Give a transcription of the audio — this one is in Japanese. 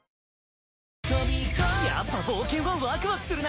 やっぱ冒険はワクワクするな。